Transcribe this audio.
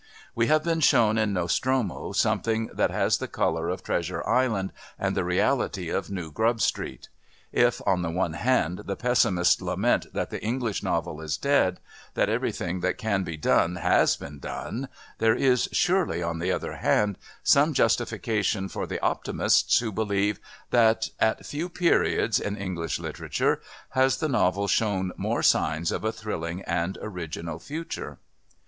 We have been shown in Nostromo something that has the colour of Treasure Island and the reality of New Grub Street. If, on the one hand, the pessimists lament that the English novel is dead, that everything that can be done has been done, there is, surely, on the other hand, some justification for the optimists who believe that at few periods in English literature has the novel shown more signs of a thrilling and original future.